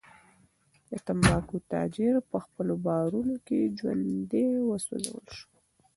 د تنباکو تاجر په خپلو بارونو کې ژوندی وسوځول شو.